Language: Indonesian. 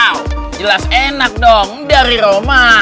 wow jelas enak dong dari roma